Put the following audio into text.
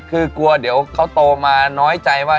คือกลัวเดี๋ยวเขาโตมาน้อยใจว่า